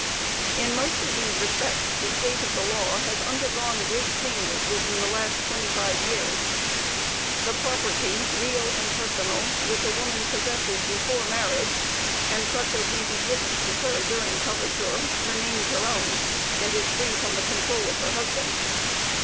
In most of these respects the state of the law has undergone great changes within the last 25 years. The property, real and personal, which a woman possesses before marriage, and such as may be given to her during coverture, remains her own, and is free from the control of her husband.